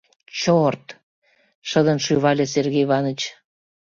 — Чорт! — шыдын шӱвале Сергей Иванович.